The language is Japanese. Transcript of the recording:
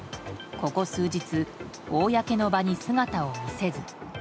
ここ数日、公の場に姿を見せず。